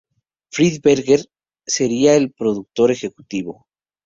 Fred Berger sería el productor ejecutivo.